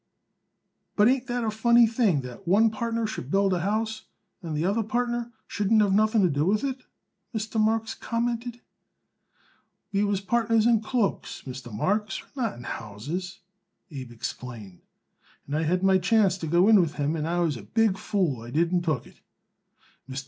"But ain't that a funny thing that one partner should build a house and the other partner shouldn't have nothing to do with it?" Mr. Marks commented. "We was partners in cloaks, Mr. Marks, not in houses," Abe explained. "And I had my chance to go in with him and I was a big fool I didn't took it." Mr.